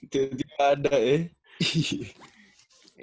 jadi gak ada ya